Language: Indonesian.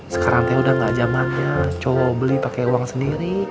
sekarang udah nggak zamannya cowok beli pake uang sendiri ceng